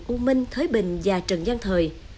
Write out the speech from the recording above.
u minh thới bình và trần giang thời